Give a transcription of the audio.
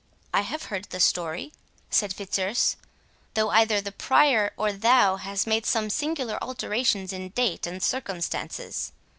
"I have heard the story," said Fitzurse, "though either the Prior or thou has made some singular alterations in date and circumstances."